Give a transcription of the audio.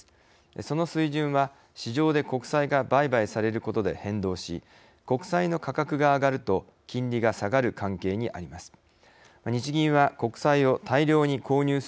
その水準は、市場で国債が売買されることで変動し国債の価格が上がると金利が下がる関係にあります。